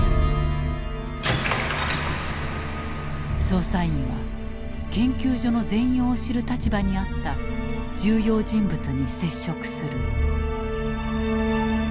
捜査員は研究所の全容を知る立場にあった重要人物に接触する。